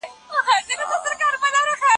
د حضرت عمر بن خطاب تر پېښي وروسته خلافت بدل سو.